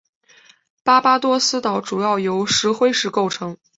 巴巴多斯岛主要由石灰石构成。